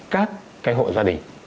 các hộ gia đình